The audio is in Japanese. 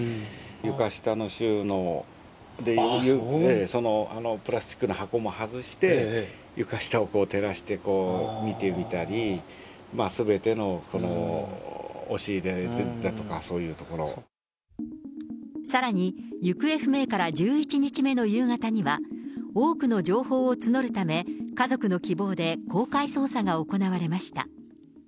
床下の収納、そのプラスチックの箱も外して、床下を照らして見てみたり、すべての押し入れだとか、さらに、行方不明から１１日目の夕方には、多くの情報を募るため、家族の希望で公開捜査が行われました。